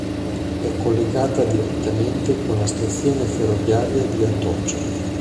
È collegata direttamente con la stazione ferroviaria di Atocha.